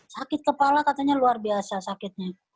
sakit kepala katanya luar biasa sakitnya